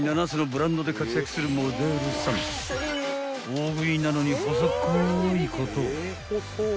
［大食いなのに細っこいこと］